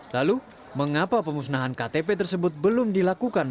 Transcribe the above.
lalu mengapa pemusnahan ktp tersebut belum dilakukan